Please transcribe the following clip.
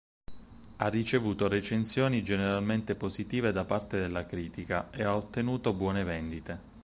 Ha ricevuto recensioni generalmente positive da parte della critica, e ha ottenuto buone vendite.